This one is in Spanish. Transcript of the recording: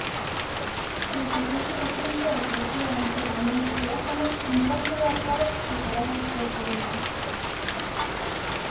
El pequeño recinto ofrecía un cerramiento diáfano en forma de arcadas separadas por columnas.